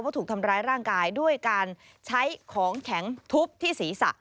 ถูกทำร้ายร่างกายด้วยการใช้ของแข็งทุบที่ศีรษะ